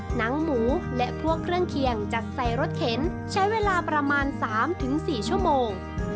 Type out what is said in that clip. หนังหมูและพวกเครื่องเคียงจัดใส่รถเข็นใช้เวลาประมาณ๓๔ชั่วโมง